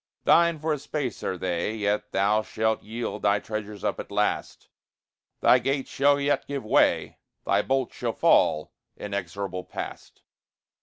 Thine for a space are they. Yet thou shalt yield thy treasures up at last; Thy gates shall yet give way, Thy bolts shall fall, inexorable Past!